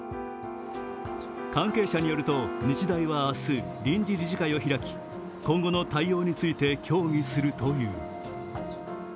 関係者によると日大は明日、臨時理事会を開き今後の対応について協議するという。